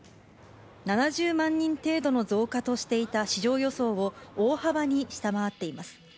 ７０万人程度の増加としていた市場予想を大幅に下回っています。